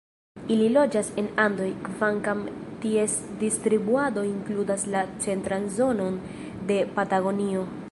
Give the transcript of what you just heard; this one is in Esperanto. Ili loĝas en Andoj, kvankam ties distribuado inkludas la centran zonon de Patagonio.